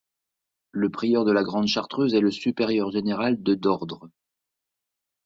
Le prieur de la Grande Chartreuse est le supérieur général de d'ordre.